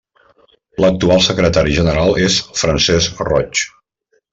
L'actual secretari general és Francesc Roig.